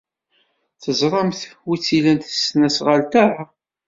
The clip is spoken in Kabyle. Teẓramt wi tt-ilan tesnasɣalt-a?